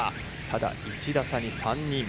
ただ、１打差に３人。